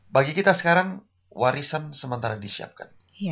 bagi kita sekarang warisan sementara disiapkan